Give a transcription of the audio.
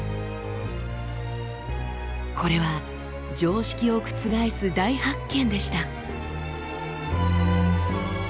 これは常識を覆す大発見でした。